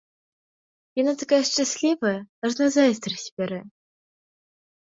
Яна такая шчаслівая, ажно зайздрасць бярэ.